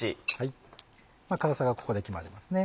辛さがここで決まりますね。